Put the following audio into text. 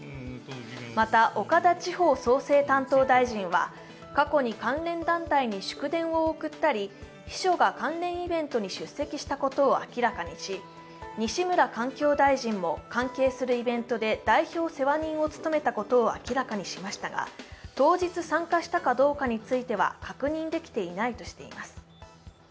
また、岡田地方創生担当大臣は過去に関連団体に祝電を送ったり秘書が関連イベントに出席したことを明らかにし、西村環境大臣も、関係するイベントで代表世話人を務めたことを明らかにしましたが、当日参加したかどうかについては確認できていないとしています。